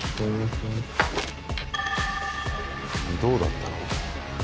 どうだったの？